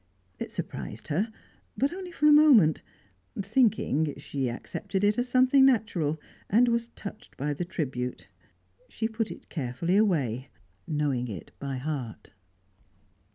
It surprised her, but only for a moment; thinking, she accepted it as something natural, and was touched by the tribute. She put it carefully away knowing it by heart.